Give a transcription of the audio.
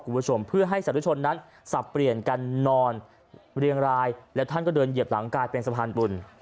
คุณผู้ชมเพื่อให้สาธุชนนั้นสับเปลี่ยนกันนอนเรียงรายแล้วท่านก็เดินเหยียบหลังกลายเป็นสะพานบุญ